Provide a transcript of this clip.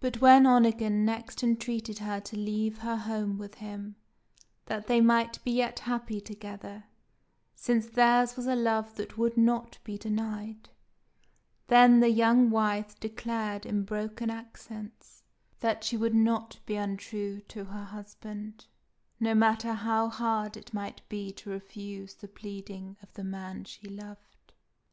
But when Onegin next entreated her to leave her home with him, that they might be yet happy together, since theirs was a love that would not be denied, then the young wife declared in broken accents that she would not be untrue to her husband, no matter how hard it might be to refuse the pleading of the man she loved.